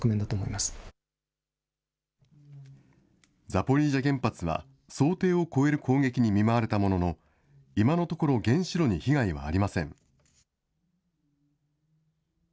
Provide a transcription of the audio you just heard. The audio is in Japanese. ザポリージャ原発は、想定を超える攻撃に見舞われたものの、今のところ、原子炉に被害はありません。